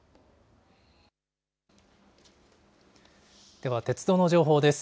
では鉄道の情報です。